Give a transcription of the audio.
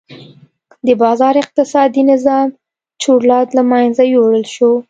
د بازار اقتصادي نظام چورلټ له منځه یووړل شو.